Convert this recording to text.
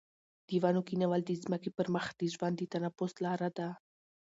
د ونو کښېنول د ځمکې پر مخ د ژوند د تنفس لاره ده.